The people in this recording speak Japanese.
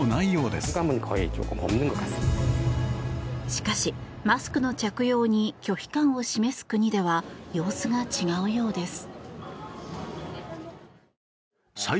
しかし、マスクの着用に拒否感を示す国では様子が違うようです。